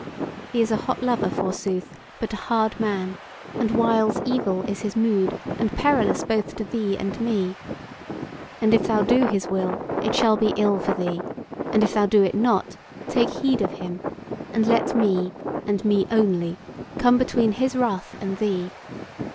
He is a hot lover forsooth, but a hard man; and whiles evil is his mood, and perilous both to thee and me. And if thou do his will, it shall be ill for thee; and if thou do it not, take heed of him, and let me, and me only, come between his wrath and thee.